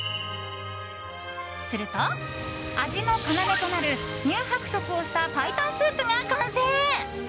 すると、味の要となる乳白色をしたパイタンスープが完成。